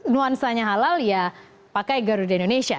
nuansanya halal ya pakai garuda indonesia